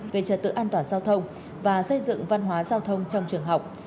về trật tự an toàn giao thông và xây dựng văn hóa giao thông trong trường học